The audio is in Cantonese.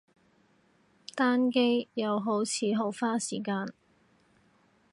單機，又好似好花時間